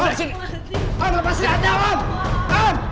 lepas sini anak om